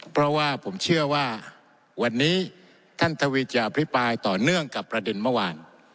เพราะว่าผมเชื่อว่าวันนี้ท่านทวีจะอภิปรายต่อเนื่องกับประเด็นเมื่อวาน